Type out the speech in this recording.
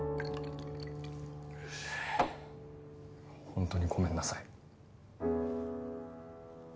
本当にごめんなさい。